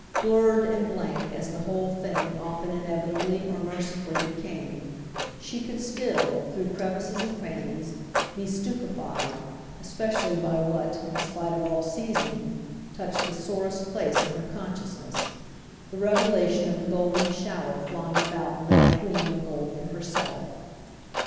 Blurred and blank as the whole thing often inevitably, or mercifully, became, she could still, through crevices and crannies, be stupefied, especially by what, in spite of all seasoning, touched the sorest place in her consciousness, the revelation of the golden shower flying about without a gleam of gold for herself.